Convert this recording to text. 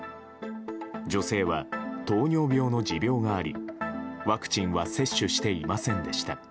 女性は糖尿病の持病がありワクチンは接種していませんでした。